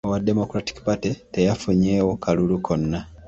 Owa Democratic Party teyafunyeewo kalulu konna.